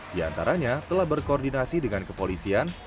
di antaranya telah berkoordinasi dengan kepolisian